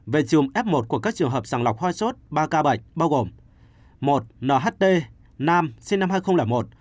về chùm f một của các trường hợp sàng lọc ho sốt ba ca bệnh bao gồm một nht nam sinh năm hai nghìn một